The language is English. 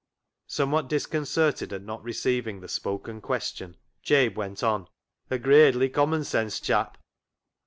Somewhat discon certed at not receiving the spoken question, Jabe went on —" A gradely commonsense chap."